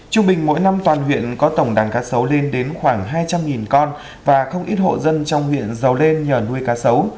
trung bình mỗi năm toàn huyện có tổng đàn cá sấu lên đến khoảng hai trăm linh con và không ít hộ dân trong huyện giàu lên nhờ nuôi cá sấu